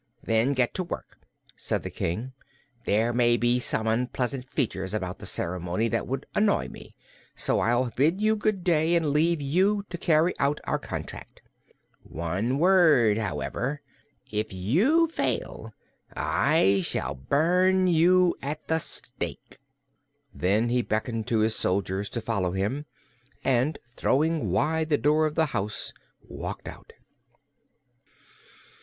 "Then get to work," said the King. "There may be some unpleasant features about the ceremony that would annoy me, so I'll bid you good day and leave you to carry out your contract. One word, however: If you fail, I shall burn you at the stake!" Then he beckoned to his soldiers to follow him, and throwing wide the door of the house walked out.